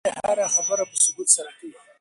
دی هره خبره په ثبوت سره کوي.